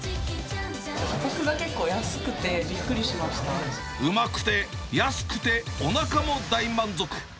価格が結構安くて、びっくりうまくて安くておなかも大満足。